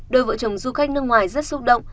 đôi vợ chồng du khách nước ngoài rất xúc động